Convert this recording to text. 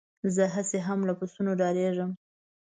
زه هسې هم له بسونو ډارېږم.